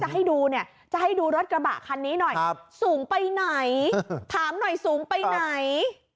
ให้ดูเนี่ยจะให้ดูรถกระบะคันนี้หน่อยสูงไปไหนถามหน่อยสูงไปไหน